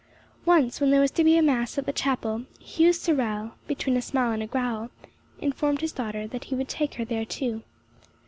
Once, when there was to be a mass at the chapel, Hugh Sorel, between a smile and a growl, informed his daughter that he would take her thereto.